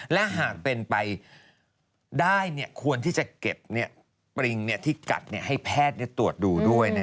และหากเป็นไปได้ควรที่จะเก็บปริงที่กัดให้แพทย์ตรวจดูด้วย